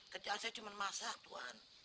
kerjaan saya cuma masak tuhan